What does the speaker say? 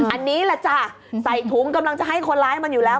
อันนี้แหละจ้ะใส่ถุงกำลังจะให้คนร้ายมันอยู่แล้ว